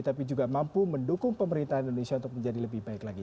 tapi juga mampu mendukung pemerintahan indonesia untuk menjadi lebih baik lagi